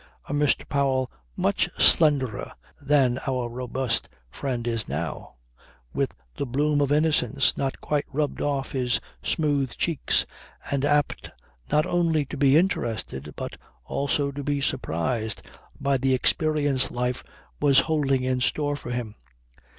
A Mr. Powell, much slenderer than our robust friend is now, with the bloom of innocence not quite rubbed off his smooth cheeks, and apt not only to be interested but also to be surprised by the experience life was holding in store for him.